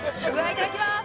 いただきます